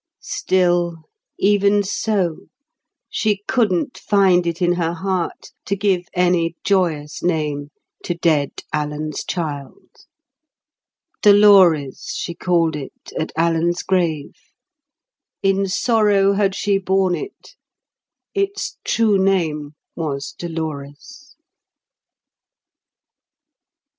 Still, even so, she couldn't find it in her heart to give any joyous name to dead Alan's child. Dolores she called it, at Alan's grave. In sorrow had she borne it; its true name was Dolores.